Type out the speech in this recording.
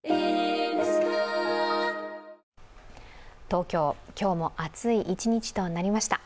東京、今日も暑い一日となりました。